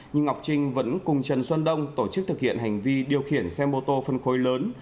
nhưng ngọc trinh vẫn cùng trần xuân đông tổ chức thực hiện hành vi điều khiển xe mô tô phân khối lớn